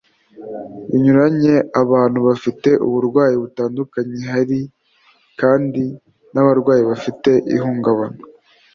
binyuranye abantu bafite uburwayi butandukanye Hari kandi n abarwayi bafite ihungabana